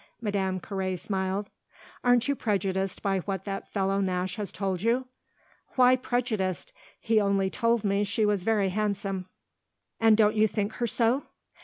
Madame Carré smiled. "Aren't you prejudiced by what that fellow Nash has told you?" "Why prejudiced? He only told me she was very handsome." "And don't you think her so?"